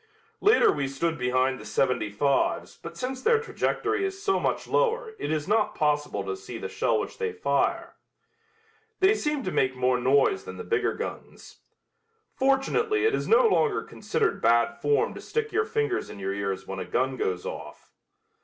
Later we stood behind the seventy fives but since their trajectory is so much lower it is not possible to see the shell which they fire. They seemed to make more noise than the bigger guns. Fortunately it is no longer considered bad form to stick your fingers in your ears when a gun goes off.